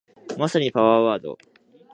まさにパワーワード